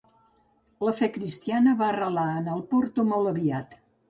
La fe cristiana va arrelar en el Porto molt aviat.